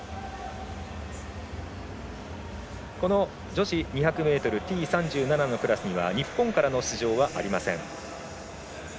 女子２００ｍＴ３７のクラスには日本からの出場はありません。